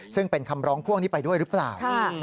ซึ่งเป็นคำร้องพ่วงนี้ไปด้วยหรือเปล่า